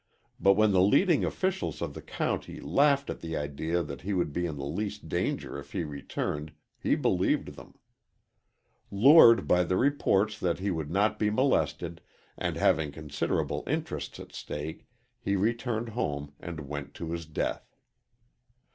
But when the leading officials of the county laughed at the idea that he would be in the least danger if he returned, he believed them. Lured by the reports that he would not be molested, and having considerable interests at stake, he returned home and went to his death.